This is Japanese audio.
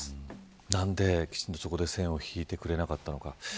何できちんとそこで線を引いてくれなかったのか。